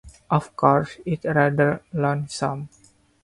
Of course, it’s rather lonesome.